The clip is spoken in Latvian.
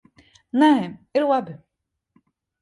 Nē, ir labi.